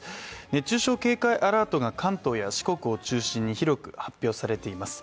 熱中症警戒アラートが関東や四国を中心に広く発表されています。